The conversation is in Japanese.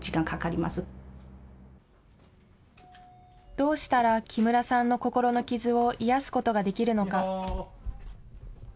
どうしたら木村さんの心の傷を癒やすことができるのか。